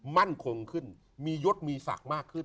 มั่นคงขึ้นมียศมีศักดิ์มากขึ้น